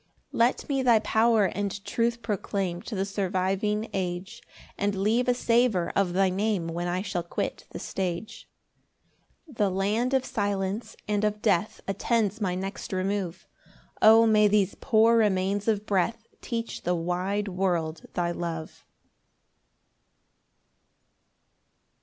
3 Let me thy power and truth proclaim To the surviving age, And leave a savour of thy Name When I shall quit the stage. 4 The land of silence and of death Attends my next remove; O may these poor remains of breath Teach the wide world thy love. PAUSE.